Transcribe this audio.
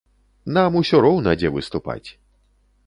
Нам усё роўна, дзе выступаць!